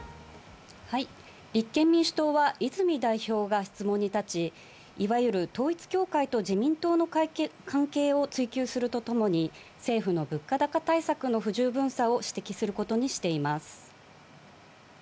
立憲民主党は泉代表が質問に立ち、いわゆる統一教会と自民党の関係を追及するとともに、政府の物価高対策の不十分さを指摘することにしています。